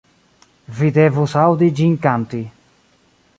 Vi devus aŭdi ĝin kanti.